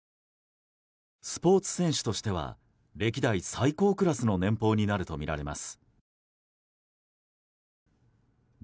スポーツ選手としては歴代最高クラスの年俸になるとみられます。